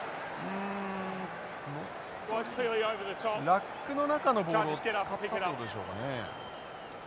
ラックの中のボールを使ったということでしょうかね。